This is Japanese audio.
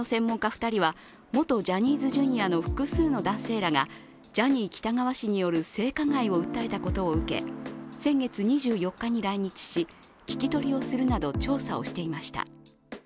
２人は元ジャニーズＪｒ．の複数の男性らがジャニー喜多川氏による性加害を訴えたことを受け先月２４日に来日し、聞き取りをするなど調査していました。